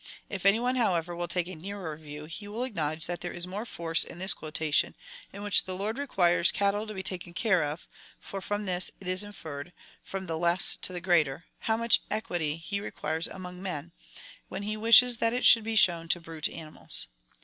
If any one, however, will take a nearer vicAv, he will acknowledge that there is more force in this quotation, in which the Lord requires cattle to be taken care of, for from this it is inferred, from the less to the greater, how much equity he requires among men, when he wishes that it should be shown to brute animals.